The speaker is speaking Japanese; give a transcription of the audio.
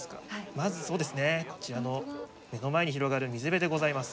まずこちらの目の前に広がる水辺でございます。